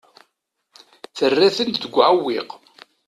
Terra-ten deg uɛewwiq.